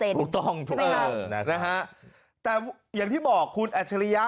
ถูกต้องแต่อย่างที่บอกคุณอัชริยะ